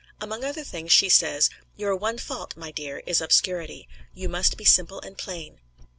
Among other things she says: "Your one fault, my dear, is obscurity. You must be simple and plain.